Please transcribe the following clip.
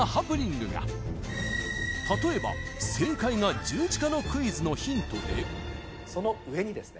例えば正解が「十字架」のクイズのヒントでその上にですね